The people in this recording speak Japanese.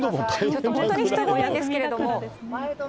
ちょっと本当に人が多いんですけれども。